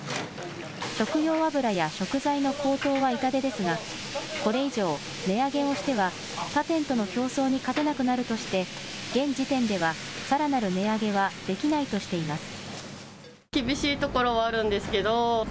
食用油や食材の高騰は痛手ですがこれ以上、値上げをしては他店との競争に勝てなくなるとして現時点ではさらなる値上げはできないとしています。